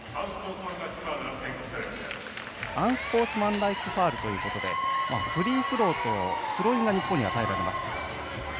アンスポーツマンライクファウルということでフリースローとスローインが日本に与えられます。